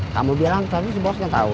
kamu bilang tadi si bos yang tahu